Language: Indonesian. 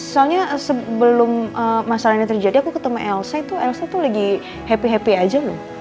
soalnya sebelum masalah ini terjadi aku ketemu elsa tuh elsa tuh lagi happy happy aja loh